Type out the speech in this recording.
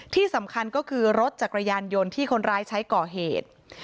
ที่สำคัญก็คือรถจักรยานยนต์ที่คนร้ายใช้ก่อเหตุ